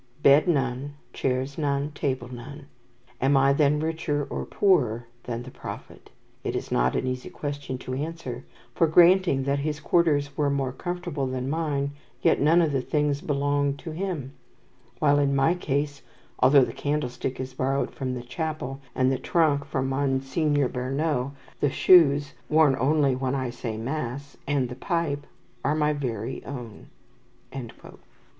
Bed none, chairs none, table none. Am I, then, richer or poorer than the Prophet? It is not an easy question to answer, for, granting that his quarters were more comfortable than mine, yet none of the things belonged to him; while in my case, although the candlestick is borrowed from the chapel, and the trunk from Monseigneur Berneux, the shoes (worn only when I say Mass) and the pipe are my very own."